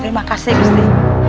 terima kasih gusti